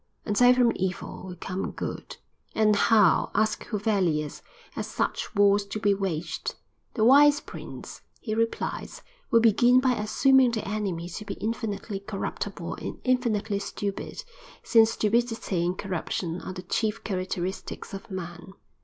And so from evil will come good." And how, asks Huvelius, are such wars to be waged? The wise prince, he replies, will begin by assuming the enemy to be infinitely corruptible and infinitely stupid, since stupidity and corruption are the chief characteristics of man.